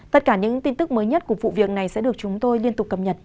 tất cả những tin tức mới nhất của vụ việc này sẽ được chúng tôi liên tục cập nhật